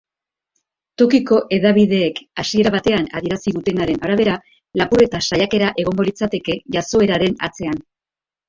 Tokiko hedabideek hasiera batean adierazi dutenaren arabera, lapurreta-saiakera egongo litzateke jazoeraren atzean.